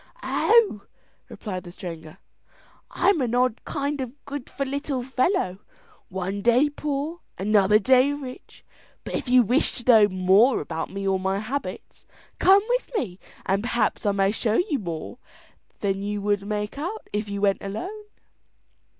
"Oh!" replied the stranger, "I'm an odd kind of good for little fellow, one day poor, another day rich, but if you wish to know more about me or my habits, come with me and perhaps I may show you more than you would make out if you went alone."